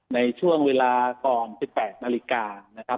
ในช่วงเวลาก่อน๑๘นาฬิกา